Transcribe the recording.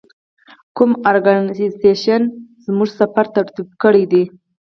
کوم ارګنایزیشن چې زموږ سفر ترتیب کړی دی.